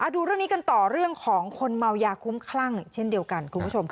ดูเรื่องนี้กันต่อเรื่องของคนเมายาคุ้มคลั่งเช่นเดียวกันคุณผู้ชม